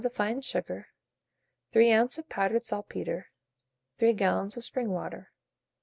of fine sugar, 3 oz. of powdered saltpetre, 3 gallons of spring water.